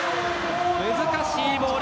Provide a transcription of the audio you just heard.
難しいボール。